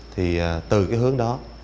thì từ cái hướng đó